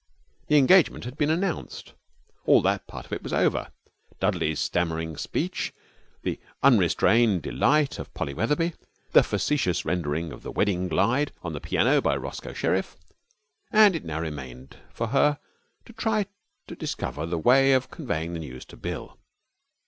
The engagement had been announced. All that part of it was over Dudley's stammering speech, the unrestrained delight of Polly Wetherby, the facetious rendering of 'The Wedding Glide' on the piano by Roscoe Sherriff, and it now remained for her to try to discover a way of conveying the news to Bill.